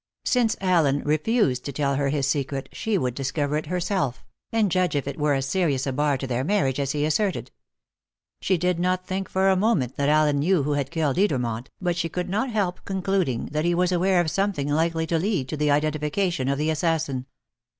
Since Allen refused to tell her his secret, she would discover it herself, and judge if it were as serious a bar to their marriage as he asserted. She did not think for a moment that Allen knew who had killed Edermont, but she could not help concluding that he was aware of something likely to lead to the identification of the assassin.